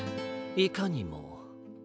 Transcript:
いかにも。